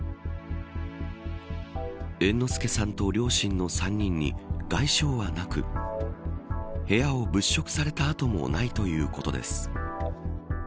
猿之助さんと両親の３人に外傷はなく部屋を物色された跡もないということです。